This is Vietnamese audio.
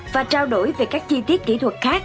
và trao đổi về các chi tiết kỹ thuật khác